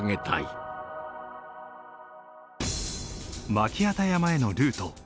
巻機山へのルート。